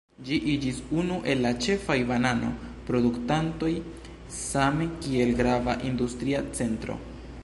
Ĝi iĝis unu el la ĉefaj banano-produktantoj same kiel grava industria centro.